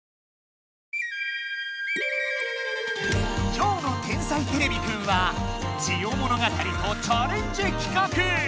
今日の「天才てれびくん」は「ジオ物語」とチャレンジきかく！